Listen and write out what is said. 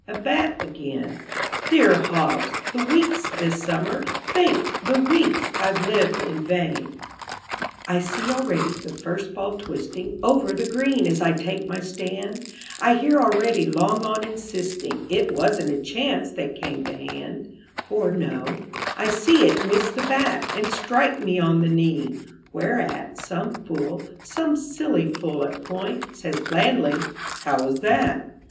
a bat again: Dear Hobbs! the weeks this summer think! the weeks I've lived in vain! I see already the first ball twisting Over the green as I take my stand, I hear already long on insisting It wasn't a chance that came to hand Or no; I see it miss the bat And strike me on the knee, whereat Some fool, some silly fool at point, says blandly, "How was that?"